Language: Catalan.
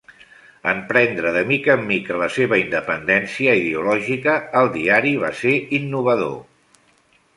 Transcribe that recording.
En prendre de mica en mica la seva independència ideològica, el diari va ser innovador.